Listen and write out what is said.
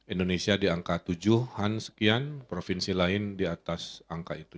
indonesia di angka tujuh han sekian provinsi lain di atas angka itu